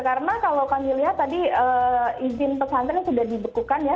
karena kalau kami lihat tadi izin pesantren sudah dibekukan ya